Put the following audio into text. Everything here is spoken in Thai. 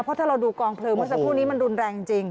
เพราะถ้าเราดูกองเพลิงเมื่อสักครู่นี้มันรุนแรงจริง